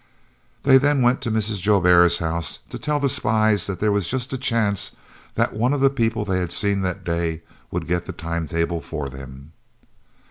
They then went to Mrs. Joubert's house to tell the spies that there was just a chance that one of the people they had seen that day would get the time table for them.